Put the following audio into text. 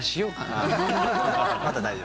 まだ大丈夫。